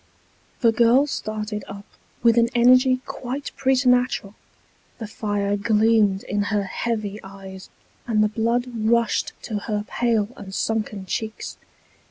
The girl started up, with an energy quite preternatural ; the fire gleamed in her heavy eyes, and the blood rushed to her pale and sunken cheeks.